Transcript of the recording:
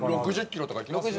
６０キロとかいきます？